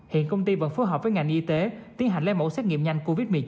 hiện công ty vẫn phối hợp với ngành y tế tiến hành lấy mẫu xét nghiệm nhanh covid một mươi chín